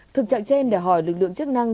thực trạng trên để hỏi lực lượng chất năng